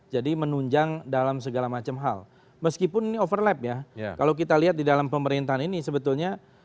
jadi menunjang dalam segala macam hal meskipun ini overlap ya kalau kita lihat di dalam pemerintahan ini sebetulnya